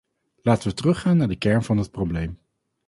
Laten we teruggaan naar de kern van het probleem.